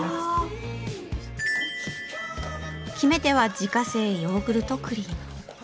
決め手は自家製ヨーグルトクリーム。